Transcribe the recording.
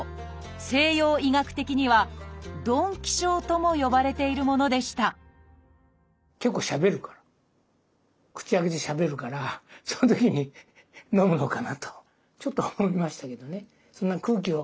西洋医学的には「呑気症」とも呼ばれているものでした結構しゃべるから口開けてしゃべるからそのときにのむのかなとちょっとは思いましたけどね。